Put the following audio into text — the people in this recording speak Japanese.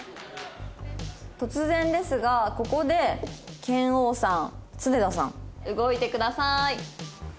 「突然ですがここで拳王さん常田さん動いてください」